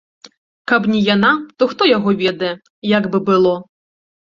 Каб не яна, то хто яго ведае, як бы было.